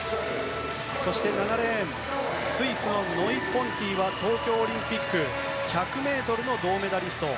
７レーン、スイスのノイ・ポンティは東京オリンピック１００ｍの銅メダリスト。